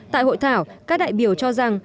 tại hội thảo các đại biểu cho rằng